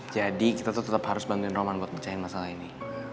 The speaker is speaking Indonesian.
jadi kita tuh tetap harus bantuin roman buat pecahin masalah ini